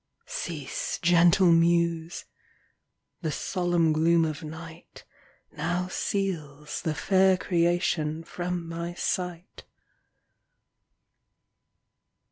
Cease, gentle muse! the solemn gloom of night Now seals the fair creation from my sight.